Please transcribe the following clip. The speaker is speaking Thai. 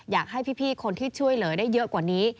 อยากให้พี่คนที่ช่วยเหลือได้เยอะกว่านี้